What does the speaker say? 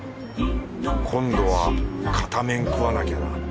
今度は硬麺食わなきゃな。